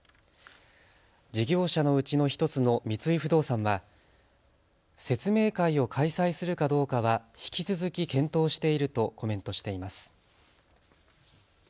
事業者のうちの１つの三井不動産は説明会を開催するかどうかは引き続き検討しているとコメントしています。